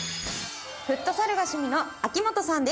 フットサルが趣味の秋元さんです。